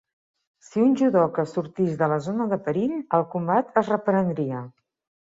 Si un judoka sortís de la zona de perill, el combat es reprendria.